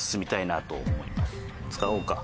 使おうか。